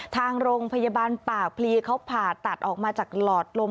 ทางโรงพยาบาลปากพลีเขาผ่าตัดออกมาจากหลอดลม